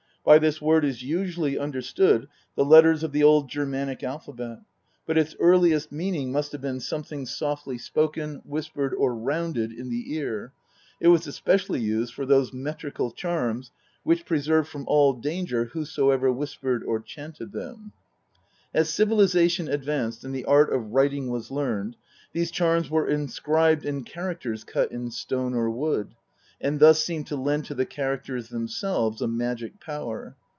By this word is usually understood the letters of the old Ger manic alphabet, but its earliest meaning must have been something softly spoken, whispered, or " rounded " in the ear ; it was especially used for those metrical charms which preserved from all danger whoso ever whispered or chanted them. As civilisation advanced and the art of writing was learned, these charms were inscribed in characters cut in stone or wood, and thus seemed to lend to the characters themselves a magic power.